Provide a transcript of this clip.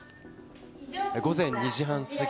午前２時半過ぎ